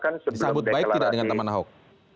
sebelum deklarasi disambut baik tidak dengan teman ahok